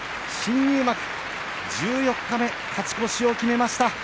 新入幕、十四日目勝ち越しを決めました。